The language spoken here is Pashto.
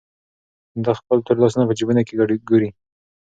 دی خپل تور لاسونه په جېبونو کې ګوري.